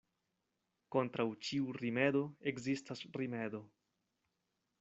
Kontraŭ ĉiu rimedo ekzistas rimedo.